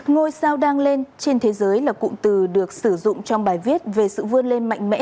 ngôi sao đang lên trên thế giới là cụm từ được sử dụng trong bài viết về sự vươn lên mạnh mẽ